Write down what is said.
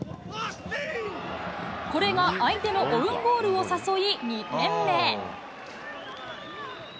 これが相手のオウンゴールを誘い、２点目。